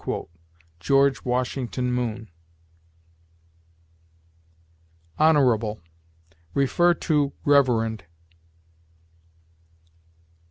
George Washington Moon. HONORABLE. See REVEREND.